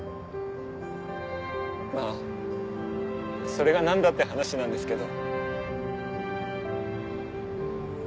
まぁそれが何だって話なんですけど。